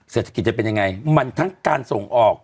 เศรษฐกิจจะเป็นยังไงมันทั้งการส่งออก